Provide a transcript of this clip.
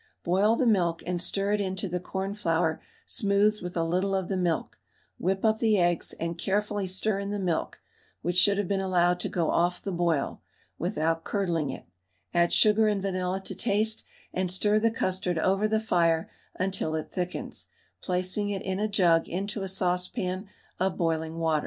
Boil the milk and stir into it the cornflour smoothed with a little of the milk; whip up the eggs, and carefully stir in the milk (which should have been allowed to go off the boil) without curdling it; add sugar and vanilla to taste, and stir the custard over the fire until it thickens, placing it in a jug into a saucepan of boiling water.